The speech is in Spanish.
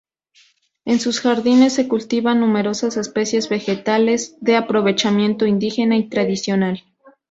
En sus jardines se cultivan numerosas especies vegetales de aprovechamiento indígena y tradicional.